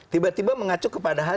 tiba tiba mengacu kepada hal